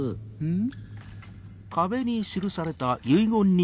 ん？